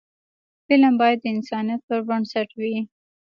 فلم باید د انسانیت پر بنسټ وي